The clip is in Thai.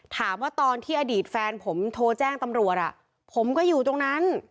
ตอนที่อดีตแฟนผมโทรแจ้งตำรวจผมก็อยู่ตรงนั้น